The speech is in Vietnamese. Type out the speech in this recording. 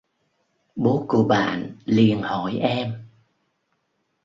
bố của bạn liền hỏi em